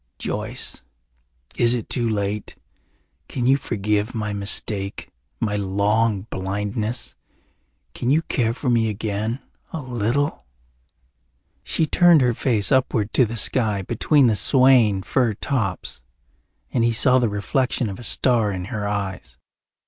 "Joyce, is it too late? Can you forgive my mistake, my long blindness? Can you care for me again a little?" She turned her face upward to the sky between the swaying fir tops and he saw the reflection of a star in her eyes.